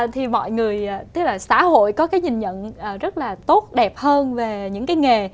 thì mọi người tức là xã hội có cái nhìn nhận rất là tốt đẹp hơn về những cái nghề